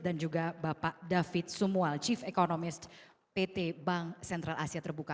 dan juga bapak david sumwal chief economist pt bank central asia terbuka